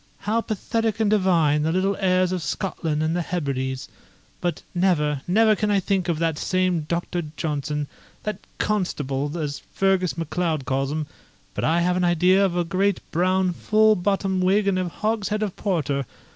_' How pathetic and divine the little airs of Scotland and the Hebrides! But never, never can I think of that same Doctor Johnson that CONSTABLE, as Fergus MacLeod calls him but I have an idea of a great brown full bottomed wig and a hogshead of porter!